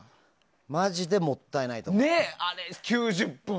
マジでもったいないと思った。